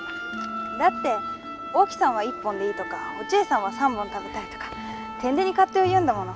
だってお秋さんは１本でいいとかおちえさんは３本食べたいとかてんでに勝手を言うんだもの。